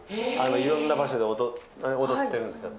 いろんな場所で踊ってるんですけど。